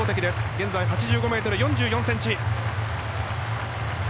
現在、８５ｍ４４ｃｍ。